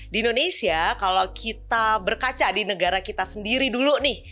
di indonesia kalau kita berkaca di negara kita sendiri dulu nih